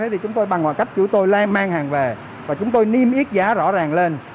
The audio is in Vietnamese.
thì chúng tôi bằng mọi cách chúng tôi lai mang hàng về và chúng tôi niêm yết giá rõ ràng lên